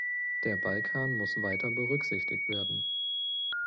Der Balkan muss weiter berücksichtigt werden.